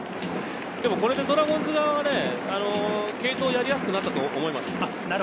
でもこれでドラゴンズ側は、継投をやりやすくなったと思います。